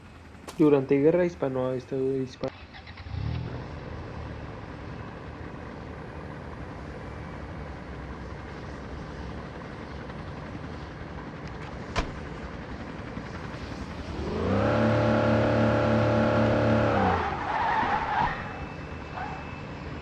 Fue de nuevo la inmigración la que configuró la mayor parte de este crecimiento.